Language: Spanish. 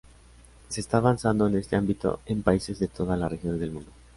Se está avanzando en este ámbito en países de todas las regiones del mundo.